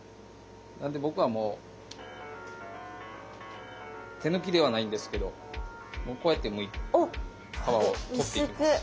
なんでぼくはもうてぬきではないんですけどもうこうやって皮を取っていきます。